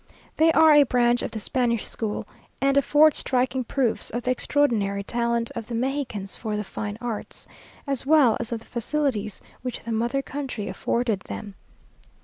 They are a branch of the Spanish school, and afford striking proofs of the extraordinary talent of the Mexicans for the fine arts, as well as of the facilities which the mother country afforded them.